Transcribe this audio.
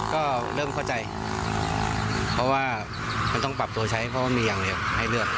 ก็เริ่มเข้าใจเพราะว่ามันต้องปรับตัวใช้เพราะว่ามีอย่างเดียวให้เลือก